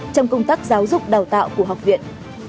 trong công tác giáo dục đào tạo của học viện